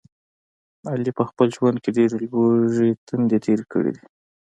علي په خپل ژوند کې ډېرې لوږې تندې تېرې کړي دي.